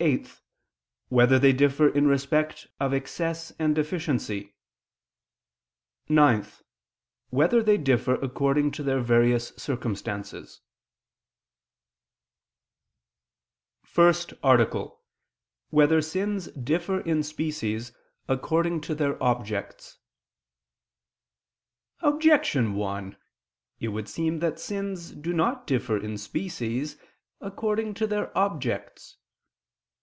(8) Whether they differ in respect of excess and deficiency? (9) Whether they differ according to their various circumstances? ________________________ FIRST ARTICLE [I II, Q. 72, Art. 1] Whether Sins Differ in Species According to Their Objects? Objection 1: It would seem that sins do not differ in species, according to their objects.